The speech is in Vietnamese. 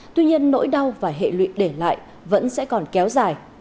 tuy nhiên nỗi đau và hệ lụy để lại vẫn sẽ còn kéo dài